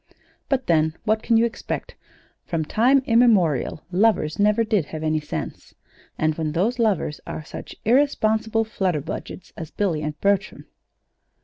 "But then, what can you expect? From time immemorial lovers never did have any sense; and when those lovers are such irresponsible flutterbudgets as Billy and Bertram